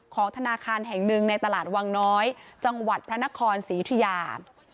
ของธนาคารแห่งหนึ่งในตลาดวังน้อยจังหวัดพระนครศรียุธยา